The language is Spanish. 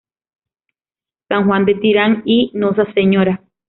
San Juan de Tirán" y "Nosa Sra.